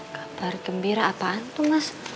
kabar gembira apaan tuh mas